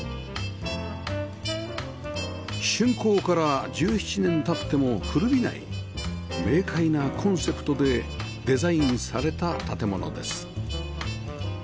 竣工から１７年経っても古びない明快なコンセプトでデザインされた建物です